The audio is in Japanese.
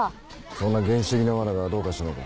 そんな原始的な罠がどうかしたのか？